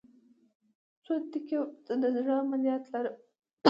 څو دقیقې وروسته د زړه عملیات لرم